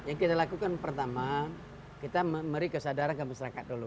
yang kita lakukan pertama kita memberi kesadaran ke masyarakat dulu